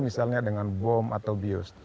misalnya dengan bom atau bios